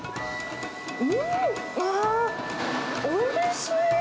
うん、わー、おいしい！